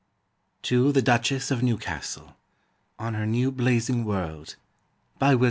To The Duchesse of Newcastle, On Her New Blazing World.